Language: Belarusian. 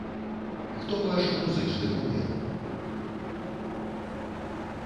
Хто ваш музычны кумір?